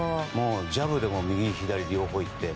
ジャブでも右左、両方いって。